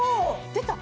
出た！